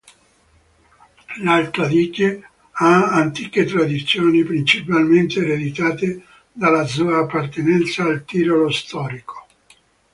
L'Alto Adige ha antiche tradizioni, principalmente ereditate dalla sua appartenenza al Tirolo storico.